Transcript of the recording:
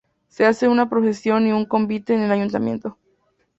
Se hace una procesión y un convite en el Ayuntamiento.